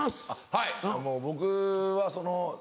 はいもう僕はその。